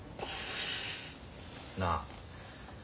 なあ